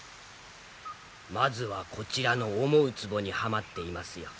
まずはこちらの思うつぼにはまっていますよ。